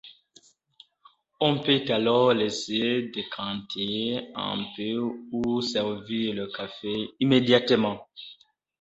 On peut alors laisser décanter un peu ou servir le café immédiatement.